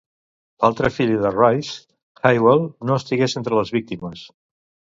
L'altra filla de Rhys, Hywel, no estigués entre les víctimes.